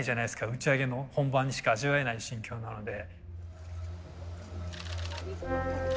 打ち上げの本番にしか味わえない心境なので。